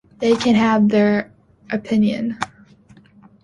They can have their opinion.